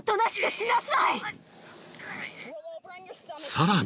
［さらに］